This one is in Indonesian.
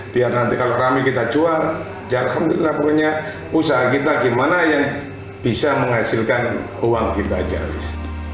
biar nanti kalau rame kita jual biarkan kita punya usaha kita gimana yang bisa menghasilkan uang kita aja harus